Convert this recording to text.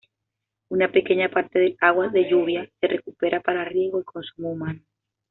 Una pequeña parte del agua de lluvia se recupera para riego y consumo humano.